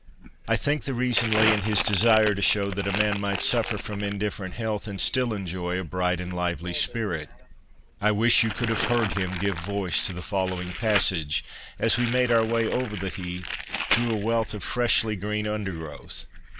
I think the reason lay in his desire to show that a man might suffer from indifferent health and still enjoy a bright and lively spirit. I wish you could have heard him give voice to the following passage, as we made our way over the heath, through a wealth of fresh green undergrowth.